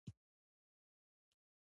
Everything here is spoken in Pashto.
زه به د خپلې کورنۍ عکسونه دروښيم.